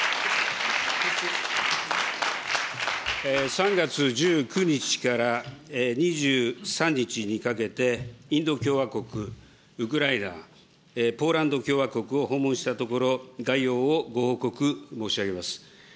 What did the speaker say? ３月１９日から２３日にかけて、インド共和国、ウクライナ、ポーランド共和国を訪問したところ、概要をご報告申し上げます。